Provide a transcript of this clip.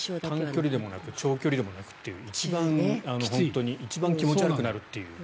短距離でも長距離でもなくという一番気持ち悪くなるという。